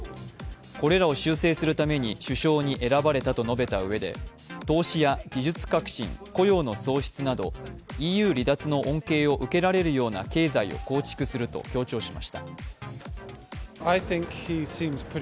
これらを修正するために首相に選ばれたと述べたうえで投資や技術革新、雇用の創出などＥＵ離脱の恩恵を受けられるような経済を構築すると強調しました。